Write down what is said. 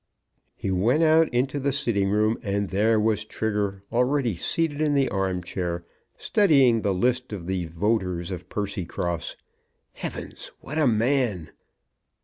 He went out into the sitting room, and there was Trigger already seated in the arm chair, studying the list of the voters of Percycross! Heavens, what a man!